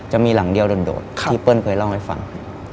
จะมีหลังเดียวโดดที่เปิ้ลเคยเล่าให้ฟัง